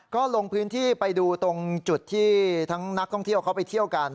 ก็ลงพื้นที่ไปดูตรงจุดที่ทั้งนักท่องเที่ยวเขาไปเที่ยวกัน